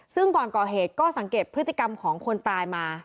ซึ่งก่อนก่อเหตุก็สังเกตพฤติกรรมของคนตายมา